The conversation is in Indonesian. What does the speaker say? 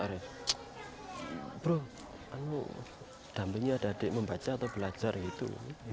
bro kamu dampingi ada adik membaca atau belajar gitu